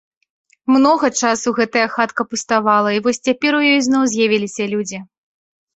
Многа часу гэтая хатка пуставала, і вось цяпер у ёй зноў з'явіліся людзі.